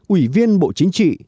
ủy viên bộ chính trị